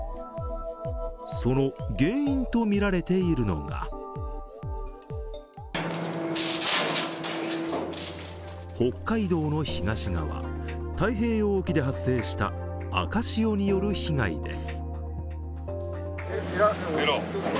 その原因とみられているのが北海道の東側、太平洋沖で発生した赤潮による被害です。